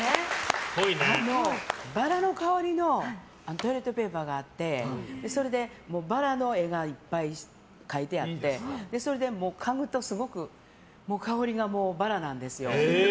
バラの香りのトイレットペーパーがあってバラの絵がいっぱい描いてあってそれで、かぐとすごく香りがバラなんです。